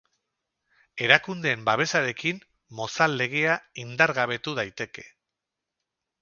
Erakundeen babesarekin Mozal Legea indargabetu daiteke.